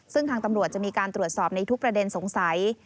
ซึ่งทางตำรวจจะมีการตรวจสอบในทุกประเด็นสงสัย